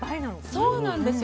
そうなんですよ。